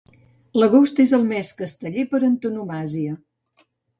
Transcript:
L'agost és el mes casteller per antonomàsia